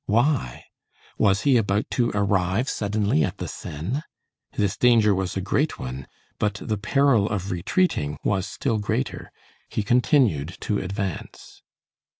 Why? Was he about to arrive suddenly at the Seine? This danger was a great one, but the peril of retreating was still greater. He continued to advance.